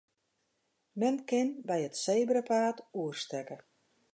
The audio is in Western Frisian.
Men kin by it sebrapaad oerstekke.